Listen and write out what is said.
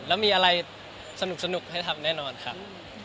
แล้วมีอะไรสนุกให้ทำแน่นอนครับ